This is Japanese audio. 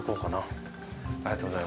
ありがとうございます。